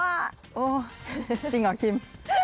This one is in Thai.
โอ้โหจริงเหรอคิม